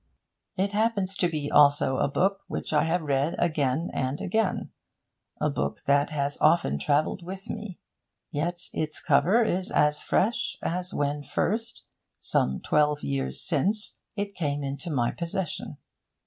It happens to be also a book which I have read again and again a book that has often travelled with me. Yet its cover is as fresh as when first, some twelve years since, it came into my possession.